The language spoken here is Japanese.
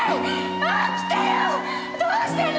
どうしたの！